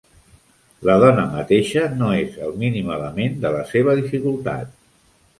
La dona mateixa no és el mínim element de la seva dificultat.